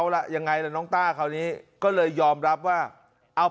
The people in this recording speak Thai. ล่ะยังไงละน้องต้าเขานี่ก็เลยยอมรับว่าเอาปืน